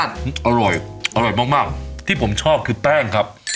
อร่อยอร่อยมากที่ผมชอบคือแป้งครับ